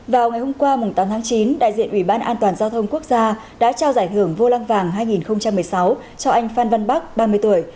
vào ngày hôm qua tám tháng chín đại diện ủy ban an toàn giao thông quốc gia đã trao giải thưởng vô lăng vàng hai nghìn một mươi sáu cho anh phan văn bắc ba mươi tuổi